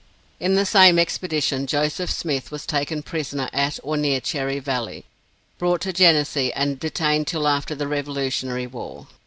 In the same expedition, Joseph Smith was taken prisoner at or near Cherry Valley, brought to Genesee, and detained till after the revolutionary war.